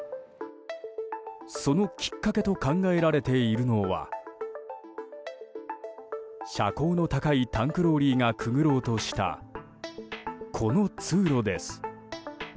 そのきっかけと考えられているのは車高の高いタンクローリーがくぐろうとしたこの通路です。